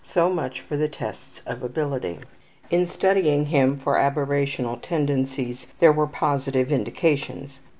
So much for the tests of ability. In studying him for aberrational tendencies there were positive indications.